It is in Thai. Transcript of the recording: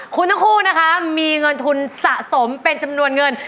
คุณทั้งคู่นะคะมีเงินทุนสะสมเป็นจำนวนเงิน